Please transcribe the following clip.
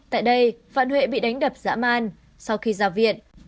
tại đây phận huệ bị đánh đập dã man sau khi ra viện